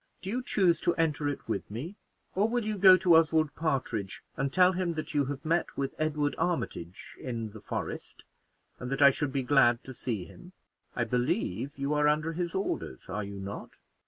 Do you choose to enter it with me, or will you go to Oswald Partridge and tell him that you have met with Edward Armitage in the forest, and that I should be glad to see him? I believe you are under his orders, are you not?"